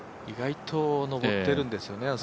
意外と上ってるんですよね